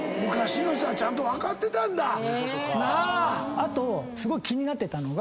あとすごい気になってたのが。